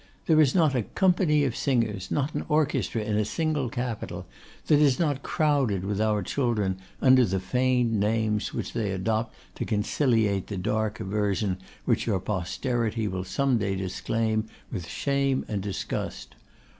There is not a company of singers, not an orchestra in a single capital, that is not crowded with our children under the feigned names which they adopt to conciliate the dark aversion which your posterity will some day disclaim with shame and disgust.